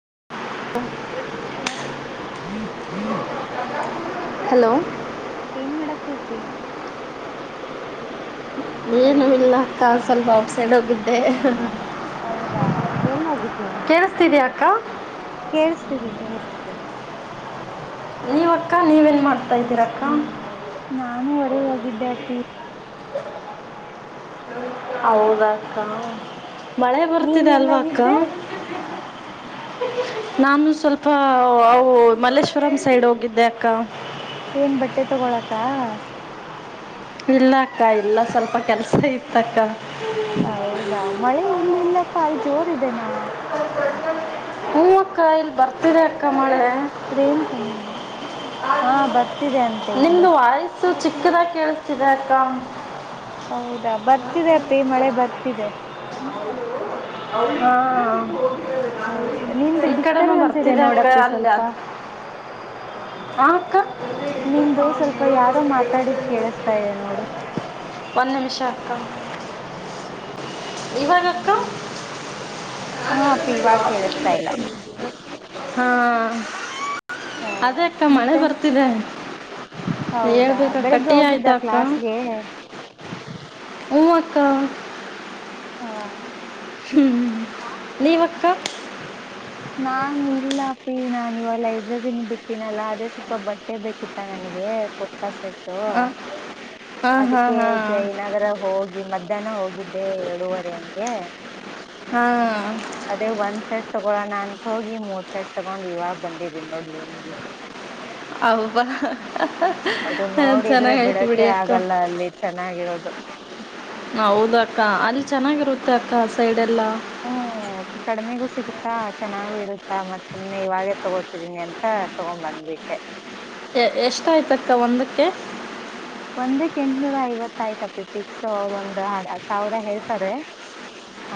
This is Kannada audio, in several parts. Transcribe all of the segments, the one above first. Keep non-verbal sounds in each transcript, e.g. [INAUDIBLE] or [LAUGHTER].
ಹ ಹಾ ಹಲೋ ಏನ್ ಮಾಡತತಿ ಏನು ಇಲ್ಲ ಅಕ್ಕ ಸ್ವಲ್ಪ ಔಟ್ಸೈಡ್ ಹೋಗಿದ್ದೆ ಹೌದಾ ಎಲ್ಲೋಗಿದ್ದೆ ಹಾ ಕೇಳಿಸ್ತಿದೆ ಕೇಳಿಸ್ತಿದೆ ನೀವ ಅಕ್ಕ ನೀವೇನ್ ಮಾಡ್ತಾ ಇದ್ದೀರಕ್ಕ ನಾನು ಹೊರದ ಹೋಗಿದ್ದೆ ಅಪ್ಪಿ ಅವೌದಕ್ಕ ಮಳೆ ನೀನ್ ಬರ್ತಿದೆ ಎಲ್ ಅಲ್ವಾ ಅಕ್ಕ ಹೋಗಿದ್ದೆ ನಾನು ಸ್ವಲ್ಪ ಅವು ಮಲ್ಲೇಶ್ವರಂ ಸೈಡ್ ಹೋಗಿದ್ದೆ ಅಕ್ಕ ಏನ್ ಬಟ್ಟೆ ತಗೊಳಕ್ಕ ಇಲ್ಲ ಅಕ್ಕ ಇಲ್ಲ ಸ್ವಲ್ಪ ಕೆಲ್ಸ ಇತ್ತಕ್ಕ ಹೌದಾ ಮಳೆ ಇಲ್ಲಿ ಇಲ್ಲಪ್ಪ ಅಲ್ಲಿ ಜೋರಿದೆನಾ ಹೂ ಅಕ್ಕ ಇಲ್ಲಿ ಬರ್ತಿದೆ ಅಕ್ಕ ಮಳೆ ಅದನ್ ಕ ಹಾ ಬರ್ತಿದೆ ಅಂತ ಇದು ಕ್ಕಂಗ ಹೌದಾ ಬರ್ತಿದೆ ಅಪ್ಪಿ ಮಳೆ ಬರ್ತಿದೆ ಹಾ ಹೌದು ನಿಂದು ಈ ಕಡೆನಾ ಡಿಸ್ಟರ್ಬೆನ್ಸ್ ಇದೆ ಬರ್ತದೆ ಅಕ್ಕ ನೋಡಪ್ಪಿ ಸ್ವಲ್ಪ ಆ ಅಕ್ಕ ನಿಂದು ಸ್ವಲ್ಪ ಯಾರೋ ಮಾತಾಡಿದ್ ಕೇಳಿಸ್ತಾ ಇದೆ ನೋಡು ಒಂದು ನಿಮಿಷ ಅಕ್ಕ ಇವಾಗಕ್ಕ ಹಾ ಅಪ್ಪಿ ಕೇಳಸ್ತಾ ಇಲ್ಲ ಹ್ಮ್ ಹಾ ಅದ ಅಕ್ಕ ಮಳೆ ಮತ್ತೆ ಬರ್ತಿದೆ ಹೌದಾ ಬೆಳಿಗ್ಗೆ ಹೋಗಿದ್ದ ಹ ಕ್ಲಾಸ್ಗೆ ಊ ಅಕ್ಕ ಹ ಹ್ಮ್ ನೀವಕ್ಕ ನಾನು ಇಲ್ಲ ಅಪ್ಪಿ ಇವ್ ನಾನ ಇವಲ್ಲ ಇದ್ರದನು ಬಿಟ್ಟಿನಲ್ಲ ಅದೇ ಸ್ವಲ್ಪ ಬಟ್ಟೆ ಬೇಕಿತ್ತ ನನಗೆ ಕೊಟ್ಟಕಳಸಕ್ಕೆ ಆ, ಹಾ ಹಾ ಅದಕ್ಕೆ ಹಾ ಜಯನಗರ ಹೋಗಿ ಮಧ್ಯಾಹ್ನ ಹೋಗಿದ್ದೆ ಎಏಡೂವರೆ ಹಂಗೆ ಹಾ ಅದೇ ಒಂದ್ ಸೈಡ್ ತಗೊಂ ನಾ ಅಂತತ್ ಹೋಗಿ ಮೂರ್ ಸೈಡ್ ತಗೊಂಡ್ ಇವಾಗ ಬಂದಿದೀನಿ ನೋಡ್ ಅಬ ಅದು ನೋಡಿದ್ರೆ ಚೆನ್ನಾಗ್ ಹೇತಿ ಬಿಡಕ್ಕೆ ಬಿಡಿ ಅಕ್ಕ ಆಗಲ್ಲ ಅಲ್ಲಿ ಚೆನ್ನಾಗಿರೋದು ಹೌದ ಅಕ್ಕ ಅ ಚೆನ್ನಾಗಿರುತ್ತೆ ಅತ ಆ ಸೈಡ್ ಹ್ಮ ಕಡಿಮೆಗೂ ಸಿಗುತ್ತಾ ಚೆನ್ನಾಗು ಇರುತ್ತೆ ಮತ್ ಸುಮ್ನೆ ಇವಾಗೇ ತಗೋತಿದೀನಿ ಅಂತ ತಗೊಂಡ್ ಬಂದ್ಬಿಟ್ಟೆ ಎಷ್ಟಾಯ್ತಕ್ಕ ಒಂದಕ್ಕೆ ಒಂದಕ್ ಎಂಟನೂರ ಐವತ್ತ ಆಯ್ತ ಪಿಕ್ಸ್ ಅವರು ಒಂದ್ ಸಾವಿರ ಹೇಳ್ತಾರೆ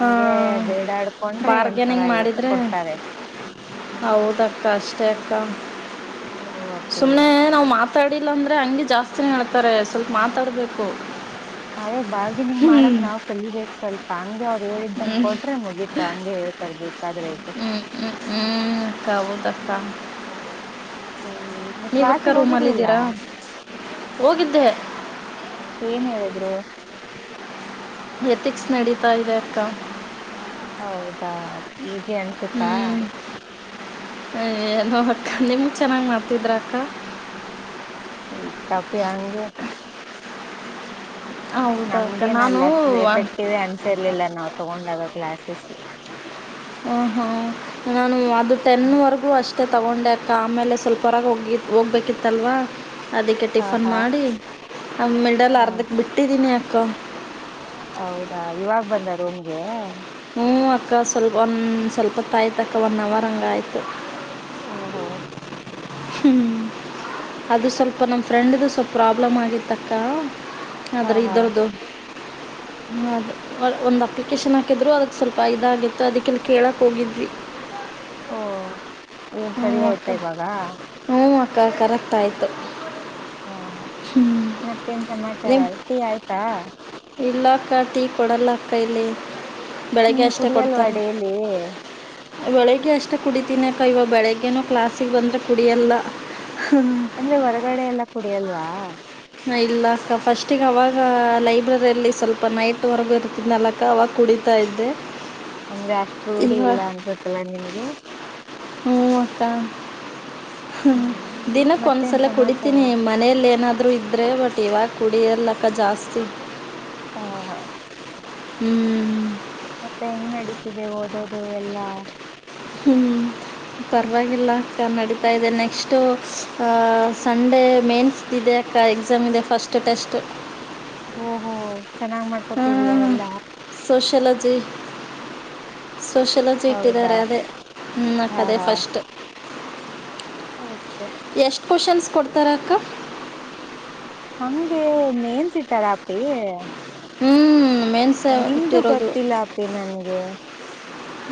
ಹಾ ಬೇಡಾಡ್ಕೊಂಡ್ರೆ ಎಂಟ್ನೂರ ಬಾರ್ಗನಿಂಗ್ ಐವತ್ತು ಮಾಡಿದ್ರೆ ಕೊಡ್ತಾರೆ ಹೌದಕ್ಕ ಅಷ್ಟೇ ಅ ತ್ತ ಓ ಅಪ್ಪಿ ಸುಮ್ನೆ ನಾವು ಮಾತಾಡಿ ಇಲ್ಲ ಅಂದ್ರೆ ಹಂಗಿ ಜಾಸ್ತ ನಡ್ತಾರೆ ಸ್ವಲ್ಪ ಮಾತಾಡ್ಬೇಕು ಅದೇ ಬಾರ್ಗನಿಂಗ್ ಮಾಡಕ್ ನಾವ್ ಕಲಿಬೇಕಕ್ ಸ್ವಲ್ಪ ಹಾಗೆ. ಹ್ಮ ಹ್ಮ್ ಬೇಕಾದ್ರೆ ಇದು ಹ್ಮ್ ಹ್ಮ್ ಕ ಹೌದಕ್ಕ. ಹ್ಮ್, ನೀವ್ ನೀವಕ್ಕ ಕ್ಲಾಸಿಗೆ ಹೋಗಿರ್ಲಿಲ್ಲ ರೂಮಲ್ಲಿದ್ದೀರಾ ಹೋಗಿದ್ದೆ ಏನ್ ಹೇಳಿದ್ರು ಎಥಿಕ್ಸ್ ನಡೀತಾ ಇದೆ ಅಕ್ಕ ಹೌದಾ ಈ ಹ್ಮ್ ಲ್ಲ ಹ ನಿಮ್ ಚೆನ್ನಾಗ್ ಮಾಡ್ತಿದ್ರ ಅಕ್ಕ ತಪೆ ಆಂಗಗೆ ಹೌದಾ ಅಕ್ಕ ನಮ್ಗೇನ ನಾನು ಅಲ್ಲ ಅಷ್ಟು ಎಫೆಕ್ಟಿವೇ ಅನ್ಸಿರ್ಲಿಲ್ಲ ನಾವು ತಗೊಂಡಾಗ ಕ್ಲಾಾಸಸ್ ಹ ಹಾ ನಾನು ಅದು ಟೆನ್ ವರೆಗೂ ಅಷ್ಟೇ ಮತ್ತೆ ತಗೊಂಡೆಕ್ಕ ಆಮೇಲೆ ಸ್ವಲ್ಪ ಹೊರಗೆ ಒಗಿ ಹೋಗ್ಬೇಕಿತ್ತಲ್ವಾ ಅದಕ್ಕೆ ಹಾ ಟಿಫನ್ ಹಾ ಮಾಡಿ ಮಿಡಲ್ ಹಾ ಅರ್ಧಕ್ ಬಿಟ್ಟಿದೀನಿ ಕ್ಕ ಹೌದಾ ಇವಾಗ ಬಂದ ರೋಮ್ಗೆ ಹ್ಮ್ಮ್ ಅಕ್ಕ ಸ್ವಲ್ಪ ಒಂದು ಸ್ವಲ್ಪ ತಾಯಿ್ತ ಅಕ್ಕ ಒನ್ ಅವರ್ ಹಂಗ ಆಾಯ್ತು ಓ ಹೋ ಹ್ಮ್ ಅದು ಸ್ವಲ್ಪ ನಮ ಫ್ರೆಂಡ್ದು ಸ್ವಲ್ಪ ಪ್ರಾಬ್ಲಮ್ ಆಗಿತ್ತಕ್ಕ ಹಾ ಅದ್ರೆ ಹಾ ಇರ್ದದು. ಅದು ಒಂದು ಅಪ್ಲಿಕೇಶನ್ ಹಾಕಿದ್ರು ಅದಕ್ಕೆ ಸ್ವಲ್ಪ ಇದಾಗಿತ್ತು ಅದಕ್ಕಿಲ್ಲಿ ಕೇಳಕ್ಕೆ ಹೋಗಿದ್ವಿ ಹೋ. ಏನ್ ಸರಿ ಆಯ್ತಾ ಇವಾಗ ಕ ಕರೆಕ್ಟ್ ಆಯಿತು ಓ ಮತ್ತೆನ್ ಸಮಾಚಾರ ಟೀ ಆಯ್ತಾ ಇಲ್ಲಾಕ್ಕ ಟೀ ಕೊಡಲ್ಲ ಅಕ್ಕಿ ಇಲ್ಲಿ ಬೆಳಗ್ಗೆ ನೀನ್ ಕುಡಿಯಲ್ವಾ ಡೇಲಿ ಬೆಳಿಗ್ಗೆ ಅಷ್ಟು ಕುಡಿತೀನ ಅಕ್ಕ ಇವಾಗ ಬೆಳಗ್ಗೆನೂ ಕ್ಲಾಸಿಗೆ ಬಂದ್ರೆ ಕುಡಿಯಲ್ಲ ಅಂದ್ರೆ ಹೊರಗಡೆ ಎಲ್ಲ ಕುಡಿಲ್ವಾ ಇಲ್ಲಕ್ಕ ಫಸ್ಟಿಗೆ ಅವಾಗ ಲೈಬ್ರರಿಯಲ್ಲಿ ಸ್ವಲ್ಪ ನೈಟ್ ವರ್ಗ ಇರ್ತಿದ್ದನಲಕ ಅವಾಗ ಕುಡಿತಾ ಇದ್ದೆ ಅಂದ್ರೆ ಅಷ್ಟು ರೂಢಿ ಇಲ್ಲ ಅನ್ಸತ್ತಲ್ಲ ನಿನ್ಗೆ ಹೂಂ ಅಕ್ಕ ಹ್ಮ ಹ್ಮ್ ದಿನಕ್ ಮತ್ತೇನ್ ಒಂದ್ಸಲ ಸಮಾಚಾರ ಕುಡಿತೀನಿ ಮನೇಲಿ ಏನಾದ್ರು ಇದ್ರೆ ಬಟ್ ಇವ ಕುಡಿಯಲಕ್ಕ ಜಾಸ್ತಿ ಹಾ ಹಾ ಹ್ಮ್ ಮತ್ತೆ ಹೆಂಗ್ ನಡೀತಿದೆ ಓದೋದು ಎಲ್ಲಾ ಹ್ಮ ಪರವಾಗಿಲ್ಲ ಅಕ್ಕ ನಡೀತಾ ಇದೆ ನೆಕ್ಸ್ಟು ಸಂಡೇ ಮೇನ್ಸ್ದ್ ಇದೆ ಅಕ್ಕ ಎಕ್ಸಾಮ್ ಇದೆ ಫಸ್ಟ್ ಟೆಸ್ಟ್ ಓಹೋ ಚೆನ್ನಾಗ್ ಮಾಡ್ಕೊತಿದಯಾ ಎಲ್ಲಾ ಸೋಶಲಜಿ ಸೋಷ್ಯಲಜಿ ಹೌದಾ ಇಟ್ಟಿದರೆ ಅದೇ ಫಸ್ಟ್ ಓ ಎಷ್ ಕೋಶನ್ಸ್ ಕೊಡ್ತಾರ ಅಕ್ಕ ಹಂಗಗೆ ಮೇನ್ಸಿಟ್ಟಾರ ಅಪ್ಪಿ ಹ್ಮ್ ನಿಮ್ದು ಗೊತ್ತಿಲ್ಲ ಅಪ್ಪಿ ನನ್ಗೆ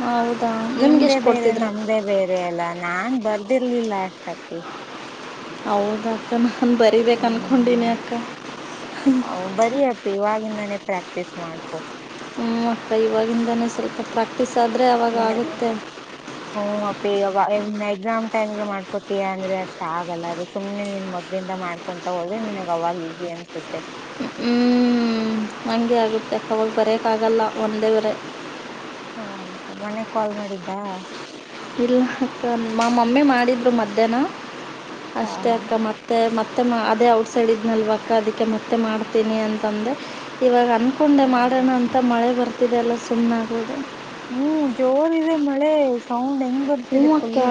ಹೌ ನಿಮ್ದೇ ಬೇರೆ ನಮ್ದೇ ಬೇರೆ ಎಲ್ಲಾ ನಾನ್ ಬರ್ ಇರ್ಲಿಲ್ಲತಿ ಹೌದ ಅಕ್ಕ ನ ಹ್ಮ ಹ ಹ ಬರಿ ಅಪ್ಪಿ ಇವಾಗಿಂದಾನೇ ಪ್ರಾಕ್ ಟಿಸ್ ಮಾಡ್ಕೋ ಹ್ಮ್ ಅಪ್ಪ ಇುವವಾಗಿಿಂದನ ಸರಿ ಕಾ ಹ್ಮ ಹೂ ಅಪ್ಪಿ ಅವ್ವಎನ್ ಎಕ್ಸಾಮ್ ಟೈಮ್ಗೆ ಮಾಡ್ಕೊ ಅಂದ್ರೆ ಅಷ್ಟ ಆಗಲ್ಲ ಅದು ಸುಮ್ನೆ ನಿನ್ ಮೊದ್ಲಿಂದ ಮಾಡ್ಕೊಂತಾ ಹೋದ್ರೆ ನಿನ್ಗ್ ಅವಾಗ್ ಈಜಿ ಅನ್ಸುತ್ತೆ ಹ್ಮ್ ಹಂಗೆ ಆಗುತ್ತೆ ಅವಾಗ ಬರೆಯೋಕ್ಕಾಗಲ್ಲ ಒಂದೇವರೆ ಹ ಮನೆ ಕಾಲ್ ಮಾಡಿದ್ದಾ ಇಲ್ಲ ಮಾ ಮಮ್ಮಿ ಮಾಡಿದ್ರು ಮಧ್ಯಾಹ್ನ ಹಾ ಅಷ್ಟೇ ಹಾ ಅಕ್ಕ ಮತ್ತೆ ಮತ್ತ ಮತ್ತೆ ಅದೇ ಔಟ್ ಸೈಡ್ ಇದನಲ್ವಕ ಅದಕ್ಕೆ ಮತ್ತೆ ಮಾಡ್ತೀನಿ ಅಂತಂದೆ ಇವಾಗ ಅ ಹಕೊಂಡೆ ಹೌದಾ ಮಾಡೋಣ ಅಂತ ಮಳೆ ಬರ್ತ್ ಇದೆಲ್ಲ ಸುಮ್ನಾಗೋದೆ. ಹೂ ಜೋರ್ ಇದೆ ಮಳೆ [UNINTELLIGIBLE] ಹೂ ಬರ್ತಿದೆ ಅಕ್ಕ ಫುಲ್ಲು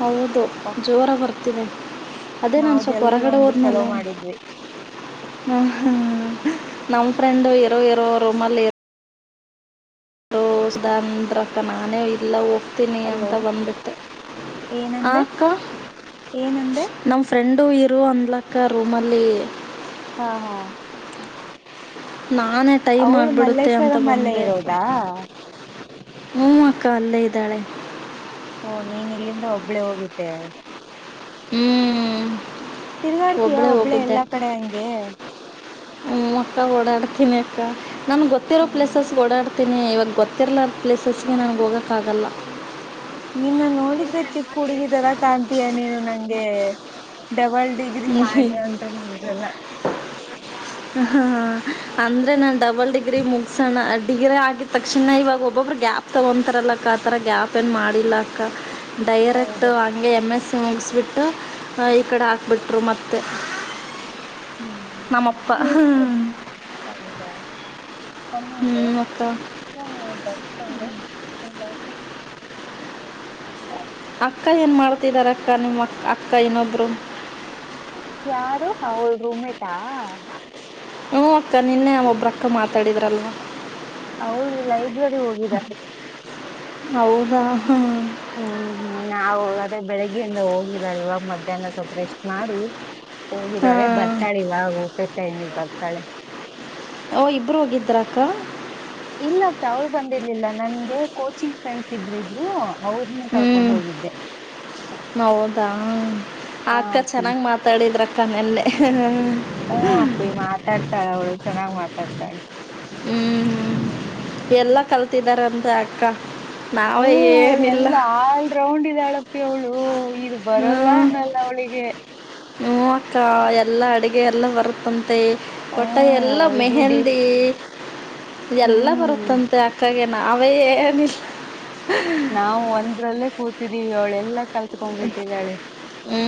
ಹೌದು ಅಪ್ಪ ಜೋರ ಬರ್ತ [UNINTELLIGIBLE] ಅದೇ ನಾವು ನಾನ್ ಸ್ವಲ್ಪ ಜಲ್ದಿ ಹೊರಗಡೆ ಒಂದು ಚಲೋ ಹೋದ್ನಲ್ಲ ಮಾಡಿದ್ವಿ ಹಾ ಹಾ ನಮ್ ಫ್ರೆಂಡ್ ಇರೋ ಇರೋ ರೂಮಲ್ಲಿ ರೋಸದ ಅಂದ್ರಕ್ಕ ನಾನೇ ಇಲ್ಲ ಹೊ ನೋಡ್ತಿನಿ ಅಲೋ ಅಂತ ಬಂದ್ಬಿಟ್ಟೆ ಹಾ ಏನಂದೆ ಅಕ್ಕ ಏನಂದೆ ನಮ್ ಫ್ರೆಂಡು ಇರು ರೂಮದಾಗ ಅಕ್ಕಾ ರೂಮಲ್ಲಿ ಹಾ ಹಾ ನಾನೇ ಟೈಮ್ ಅವಳು ಆಗ್ಬಿಡುತ್ತೆ ಅಂತ ಮಲ್ಲೇಶ್ವರಂ ಅಲ್ಲೇ ಬಂದೆೆ ಅಪ್ಪ. ಇರೋದಾ? ಹು ಅಕ್ಕಾ ಅಲ್ಲೇ ಇದ್ದಾಳೆ. ಓ ನೀನ್ ಇಲ್ಲಿಂದ ಒಬ್ಳೆ ಹೋಗಿದ್ದೆ. ಹ್ಮ್ ತಿರ್ಗಾಡ್ತಿಯ ಒಬ್ಳೇ ಒಬ್ಳೆ ಎಲ್ಲಾ ಕಡೆ ಹಂಗೆ. ಹೂ ಅಕ್ಕ ಓಡಾಡ್ತೀನಿ ಅಕ್ಕ. ನಮಗೊತ್ತಿರೋ ಹ್ಮ್ ಪ್ಲೇಸಸ್ ಓಡ್ಯಾಡ್ ನಿ ಇವಾಗ ಗೊತಿರ್ಲಾರ್ದ ಪ್ಲೇಸಸ್ಗೆ ನನಗೆ ಹೋಗಕ್ಕ ಆಗಲ್ಲಾ. ನಿನ್ನ ನೋಡಿದ್ರೆ ಚಿಕ್ ಹುಡುಗಿ ತರ ಕಾಣ್ತಿಯ ನೀನು ನಂಗೆ. ಡಬಲ್ ಡಿಗ್ರಿ ಮಾಡಿದರಂತಾನೂ ಅನ್ಸಲ್ಲಾ. ಹಾ ಅಂದ್ರೆ ನನ್. ಡಬಲ್ ಡಿಗ್ರಿ ಮುಗ್ಸಣ. ಡಿಗ್ರಿ ಆಗಿದ್ ತಕ್ಷಣ ಇವಾಗ ಒಬ್ಬೊಬ್ಬರು ಗ್ಯಾಪ್ ತೊಗೊತಾರಲ್ಲಕ್ಕ ಆ ಥರ ಗ್ಯಾಪ್ ಏನು ಮಾಡಿಲ್ಲಕ್ಕ. ಡೈರಕ್ಟ್ ಹೌದಾ ಅಂಗೆ ಎಮ್ ಎಸ್. ಮುಗ್ಸುಬಿಟ್ಟು ಹಾ ಈ ಕಡೆ ಹಾಕ್ಬಿಟ್ರು ಮತ್ ಹ್ಮ್ ಪ ಹಾಂ [UNINTELLIGIBLE] ಹಂಗೆ ಹಿಂಗಾಯ್ತು. [UNINTELLIGIBLE] ಅಕ್ಕ ಏನ್ ಮಾಡ್ತಿದಾರಕ್ಕಾ ನಿಮ್ಮ ಅಕ್ಕ ಇನ್ನೊಬ್ರು. ಯಾರು ಅವಳು ರೂಮ್ಮೇಟಾ. ಹೂಂ ಅಕ್ಕ ನಿನ್ನೆ ಒಬ್ರಕ್ಕ ಮಾತಾಡಿದ್ರಲ್ವಾ. ಅವಳು ಲೈಬ್ರರಿ ಹೋಗಿದಾಳೆ. ಹೌದಾ ಹ ಹ್ಮ್ ಹ್ಮ್ ನಾವು ಅದೇ ಬೆಳಗ್ಗೆಯಿಂದ ಹೋಗಿದ್ದಾಳೆ ಇವಾಗ ಮಧ್ಯಾಹ್ನ ಸ್ವಲ್ಪ ರೆಷ್ಟ್ ಮಾಡಿ ಹೋಗಿದಾಳೆ ಹಾಂ ಬರ್ತಾಳೆ ಇವಾಗ ಊಟದ್ ಟೈಮ್ ಗೆ ಬರ್ತಾಳೆ. ಓ ಇಬ್ಬರು ಹೋಗಿದ್ದ್ರ ಅಕ್ಕ ಇಲ್ಲಪ್ಪ ಅವ್ಳು ಬಂದಿರ್ಲಿಲ್ಲ ನನ್ಗೆ ಕೋಚಿಂಗ್ ಫ್ರೆಂಡ್ಸ್ ಇಬ್ರ ಇದ್ರು ಹ್ಮ್ ಹೌದಾ ಆ ಹಾ ಅಕ್ಕ ಅಪ್ಪಿ ಚೆನ್ನಾಗ್ ಮಾತಾಡಿದ್ರಕ್ಕಾ ನಿನ್ನೆ ಏಹಹಾ ವೂ ಅಪ್ಪಿ ಮಾತಾಡ್ತಾಳವಳು, ಚೆನ್ನಾಗಿ ಮಾತಾಡ್ತಾಳೆ. ತರ್ತಾಳ್ ಹ್ಮ್ ಹ್ಮ್ ಎಲ್ಲ ಕಲ್ತಿದ್ದಾರೆ ಅಂತ ಆ ಅಕ್ಕ ಹೂ ನಾವೇ ಅವಳು ಏನಿಲ್ಲ ಎಲ್ಲ ಆಲ್‌ರೌಂಡ್ ಇದ್ದಾಳಪ್ಪ. ಏಳು ಇದು ಬರಲ್ಲ ಅನ್ನಲ್ಲ ಅವಳಿಗೆ ಹೂ ಅಕ್ಕ ಎಲ್ಲಾ ಅಡುಗೆ ಎಲ್ಲಾ ಬರುತ್ತಂತೆ ಮತ್ತೆ ಒಟ್ಟ ಹ್ಞೂ ಎಲ್ಲ ಇದು ಡಿ ಮೆಹೆಂದಿ ಎಲ್ಲಾ ಹ್ಮ್ ಬರುತ್ತಂತೆ ಅಕ್ಕಗೆ ನಾವೇ ಏನಿಲ್ಲಾ ನಾವು ಒಂದರಲ್ಲೇ ಕೂತಿದ್ದೀವಿ ಅವಳಲ್ಲ ಕಲ್ತಕೊಂಡ್ ಬಿಟ್ಟಿದ್ದಾಳೆ ಹ್ಞೂ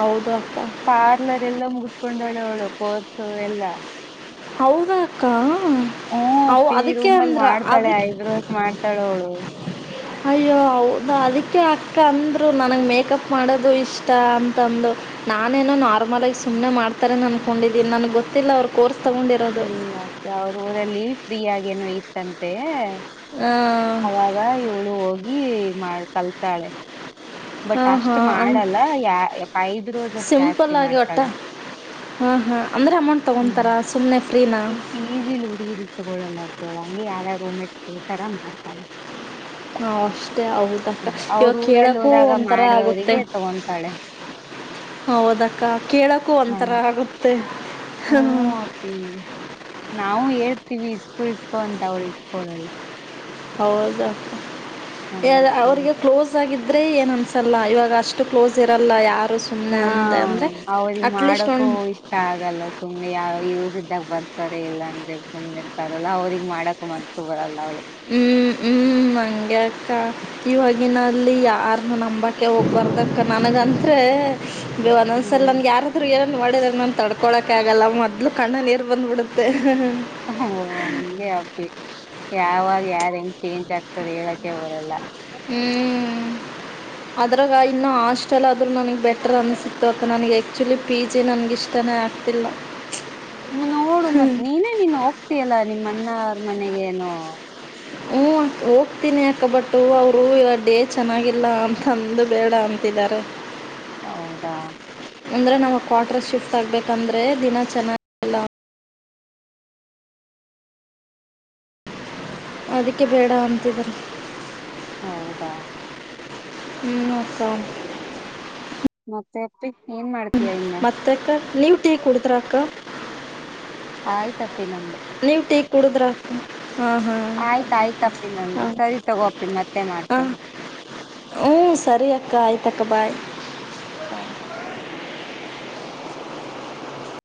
ಹೌದು ಅಕ್ಕ ಪಾರ್ಲರ್ ಎಲ್ಲ ಮುಗಿಸಿದಲೇ ಕಣ್ಕೊಂಡವ್ಳೆ ಅವ್ಳು ಪೋರ್ಸು ಎಲ್ಲಾ ಹೌದಾ ಅಕ್ಕ ಹೂ ಅವು ಅಪ್ಪಿ ಅದಕ್ಕೆ ರೂಮಲ್ ಅಂದ್ರ ಮಾಡ್ತಾಳೆ ಅದಕ್ಕೆ ಐಬ್ರೋಸ್ ಮಾಡ್ತಾಳೆ ಅವ್ಳು ಅಯ್ಯೋ, ಹೌದಾ ಅದಿಕ್ಕೆ ಅಕ್ಕ ಅಂದ್ರು ನನಗೆ ಮೇಕಪ್ ಮಾಡೋದು ಇಷ್ಟ ಅಂತಂದು ನಾನೇನು ನಾರ್ಮಲ್ ಆಗಿ ಸುಮ್ನೆ ಮಾಡ್ತಾರೆ ಏನು ಅನ್ಕೊಂಡಿದ್ದೆ ನನಗೆ ಗೊತ್ತಿಲ್ಲ ಅವರು ಕೋರ್ಸ್ ತೊಗೊಂಡಿರೋದು ಇಲ್ಲಪ್ಪಿ ಅವರ ಊರಲ್ಲಿ ಬಾಯಾಗೇನೂ ಇತ್ತಂತೆ ಅವಾಗ ಇವಳು ಹೋಗಿ ಮಾಡ್ ಕಲ್ತಲೆ ಆಹಾ ಅ ಐಬ್ರೋಸ್ ಅಷ್ಟ್ ಜಾಸ್ತಿ ಸಿಂಪಲ್ಲಾಗಿ ಒಟ್ಟ ಮಾಡ್ತಾಳೆ ಆಹಾ ಅಂದ್ರೆ ಅಮೌಂಟ್ ತಗೊಂತಾರ ಸುಮ್ನೆ ಇಲ್ಲಿ ಪಿಜಿಯಲ್ಲಿ ಹುಡುಗೀರಿಗೆ ತಗೋಳಲ್ಲೋ ಹಂಗೆ ಯಾರ್ಯಾರ್ ರೂಮೇಟ್ಸ್ ಕೇಳ್ತಾರಾ ಮಾಡ್ತಾಳೆ ಹಾ ಅಷ್ಟೇ ಹೌದಕ್ಕ ಹ್ಮ್ ಅವ್ರ ಇವಾಗ ಊರಲ್ಲಿ ಕೆಲಕ್ಕು ಹೋದಾಗ ಒಂಥರಾ ಆಗುತ್ತೆ ಮಾಡಿದವರಿಗೆ ತಗೊಂತಾಳೆ ಹೌದಕ್ಕ ಕೆಲಕು ಒಂಥರಾ ಆಗುತ್ತೆ ಹೂ ಅಪ್ಪಿ ನಾವು ಹೇಳ್ತೀವಿಷ್ಟ ಕುದಿಸಿಕೊಂಡು ಅವಳಿಸ್ಕೊಳ್ಳಲ್ಲ ಹೌದಪ್ಪ ಎ ಹ್ಮ್ ಅಪ್ಪಿ ಆದವರಿಗೆ ಕ್ಲೋಸ್ ಆಗಿದ್ದ ಆದ್ರೆ ಏನ್ ಅನ್ಸಲ್ಲ ಇವಾಗ ಅಷ್ಟು ಕ್ಲೋಸ್ ಇರಲ್ಲ ಯಾವ ಹಾ ಅವ್ರಿಗೆ ಅಟ್ಲೀಸ್ಟ್ ಮಾಡಕೂ ಒಂದು ಇಷ್ಟ ಆಗಲ್ಲ ಸುಮ್ನೆ ಯಾವ ಇವ ಇದಿದ್ದಾಗ ಬರ್ ರ್ತಾರೆ ಇಲ್ಲ ಅಂದ್ರೆ ಸುಮ್ನೆ ಇರ್ತಾರಲ್ಲ ಅವ್ರಿಗೆಗ್ ಮಾಡಕ್ ಮನ್ಸು ಬರಲ್ಲ ಅವಳಿಗೆ ಹ್ಮ್ ಹ್ಮ್ ಮಂಗಗೆ ಅಕ್ಕ ಇವಾಗಿನಲ್ಲಿ ಯಾರನ್ನ ನಂಬೋಕ್ಕೆ ಹೋಗ್ಬಾರತಕ್ಕ ನನಗಂದರೆ ಬೇ ಒಂದ್ಸಲ್ ಹ್ಮ್ ನನ್ಗೆ ಯಾರಾದರು ನೊಡಿದ್ರ ನಂಗ್ ತಡ್ಕೋಳಕ್ಕೆ ಆಗಲ್ಲ ಮೊದ್ಲು ಕಣ್ಣಲ್ ನೀರ್ ಹ ಅಂಗೆ ಅಪ್ಪಿ ಯಾವಾಗ ಯಾರ್ ಹೆಂಗ್ ಚೇಂಜ್ ಆಗ್ತದ ಹೇಳಕೆ ಬದರು ಹ್ಮ್ ಹ್ಮ್, ಅದ್ರಾಗ ಇನ್ನು ಹಾಸ್ಟೆಲ್ ಆದ್ರು ನನಗ ಬೆಟರ್ ಅನ್ಸಿತ್ತು ಅಕ್ಕ ನನಿಗೆ, ಆಕ್ಚುಲಿ ಪಿ ಜಿ ನನಿಗೆ ಇಷ್ಟನೇ ಆಗ್ತಿಲ್ಲ ನೋಡು ಮತ್ತ್ ನೀನೇ ನೀನ್ ಹೋಗ್ತಯಲ್ಲಾ ನಿಮ್ಮ ನ್ನ ಅವ್ರ ಮನೆಗೇಏನು ಹ್ಮ ಹೋಗ್ತೀನಿ ಅಕ ಬಟ್ಟು ಅವರು ಇವ ಡೇ ಚೆನ್ನಾಗಿಲ್ಲ ಅಂತ ಅಂದು ಬೇಡ ಅಂತಿದಾರ ಹೌದಾ ಅಂದ್ರೆ ನಮ ಕ್ವಾರ್ಟರ್ ಶಿಫ್ಟ್ ಗ್ಬೇಕಂದ್ರೆ ದಿನ ಬರಬೇಕಾದರೆ ಅದಕ್ಕೆ ಬೇಡ ಅಂತಿದರೆ. ಹೌದಾ ಮೂಸ [UNINTELLIGIBLE] ಏನ್ ಮಾಡ್ತಯಾ ಇನ್ನ ಮತ್ತೆ ಅಕ್ಕ ನೀವು ಟೀ ಕುಡುದ್ರಾ ಅಕ್ಕ ಆಯ್ತಪ್ಪಿ ನನ್ಗೆ ನೀವ್ ಟೀ ಕುಡುದ್ರ ಆಯ್ತಾಯ್ತಪ್ಪಿ ನಮು ಸರಿ ತಗೋಪಿ ಮತ್ತೆ ಹಾಂ ಮಾಡ್ತೇವಿ. ಹ್ಞೂ ಸರಿ ಅಕ್ಕ ಬಾಯ್ ಹಾಯ್